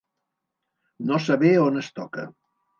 No saber on es toca.